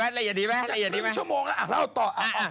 ละเอียดดีไหม